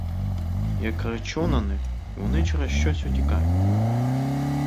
Я кричу на них, і вони через щось утікають.